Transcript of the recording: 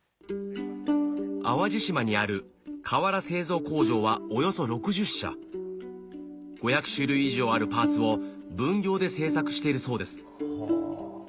淡路島にある瓦製造工場はおよそ６０社５００種類以上あるパーツを分業で製作しているそうです